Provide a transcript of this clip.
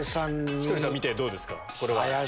ひとりさん見てどうですか？